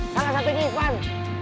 salah satu di ivan